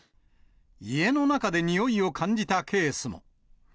家の中でにおいを感じたケースも。